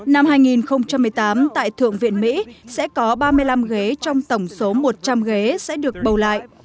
năm hai nghìn một mươi tám tại thượng viện mỹ sẽ có ba mươi năm ghế trong tổng số một trăm linh ghế sẽ được bầu lại